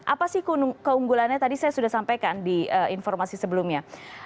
apa sih keunggulannya tadi saya sudah sampaikan di informasi sebelumnya